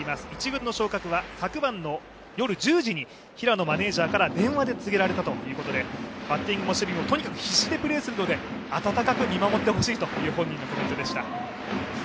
１軍の昇格は昨晩の夜１０時に平野マネージャーから電話で告げられたということでバッティングも守備もとにかく必死でプレーするので温かく見守ってほしいという本人のコメントでした。